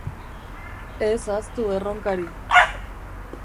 Ez ahaztu Erronkari.